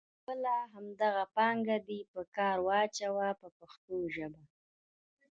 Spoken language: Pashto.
خپله همدغه پانګه دې په کار واچوه په پښتو ژبه.